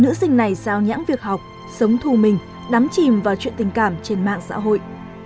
nữ sinh này giao nhãn việc học sống thù mình đắm chìm vào chuyện tình cảm trên mạng xã hội